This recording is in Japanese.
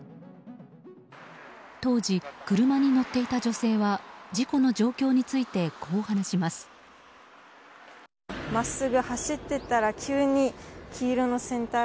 当時、車に乗っていた女性は事故の状況についてこう話します。